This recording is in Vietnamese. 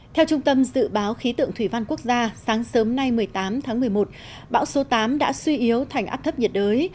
theo trung tâm dự báo khí tượng thủy văn quốc gia sáng sớm nay một mươi tám tháng một mươi một bão số tám đã suy yếu thành áp thấp nhiệt đới